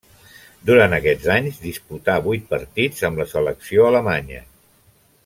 Durant aquests anys disputà vuit partits amb la selecció alemanya.